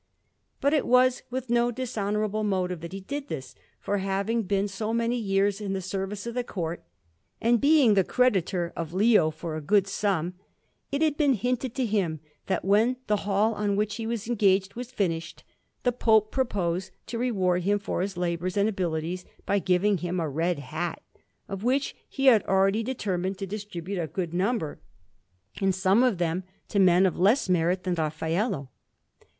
But it was with no dishonourable motive that he did this, for, having been so many years in the service of the Court, and being the creditor of Leo for a good sum, it had been hinted to him that when the hall on which he was engaged was finished, the Pope proposed to reward him for his labours and abilities by giving him a red hat, of which he had already determined to distribute a good number, and some of them to men of less merit than Raffaello.